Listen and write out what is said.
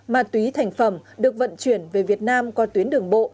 ma túy thành phẩm được vận chuyển về việt nam qua tuyến đường bộ